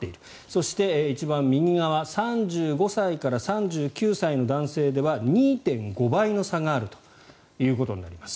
そして、一番右側３５歳から３９歳の男性では２．５倍の差があるということになります。